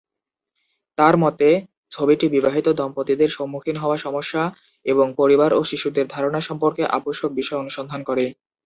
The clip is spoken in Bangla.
তাঁর মতে, ছবিটি বিবাহিত দম্পতিদের সম্মুখীন হওয়া সমস্যা এবং পরিবার ও শিশুদের ধারণা সম্পর্কে আবশ্যক বিষয় অনুসন্ধান করে।